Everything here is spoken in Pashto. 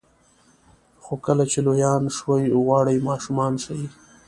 خو کله چې لویان شوئ غواړئ ماشومان شئ.